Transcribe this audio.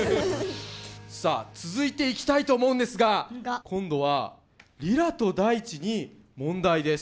さあ続いていきたいと思うんですが今度は莉良と大馳に問題です。